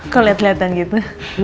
kalo liat liatan gitu